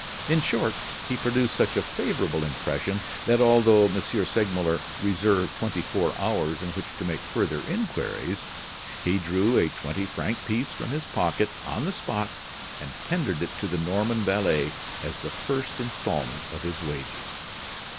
In short, he produced such a favorable impression that, although M. Segmuller reserved twenty four hours in which to make further inquiries, he drew a twenty franc piece from his pocket on the spot and tendered it to the Norman valet as the first instalment of his wages.